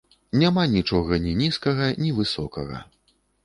Няма нічога ні нізкага, ні высокага.